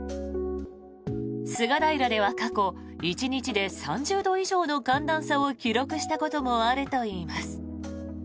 菅平では過去１日で３０度以上の寒暖差を記録したこともあるといいます。